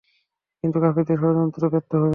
কিন্তু কাফিরদের ষড়যন্ত্র ব্যর্থ হবেই।